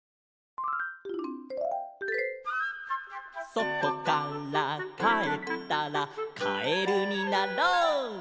「そとからかえったらカエルになろう」